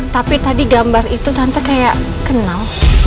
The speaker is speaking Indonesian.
tapi tadi gambar itu tante kayak kenal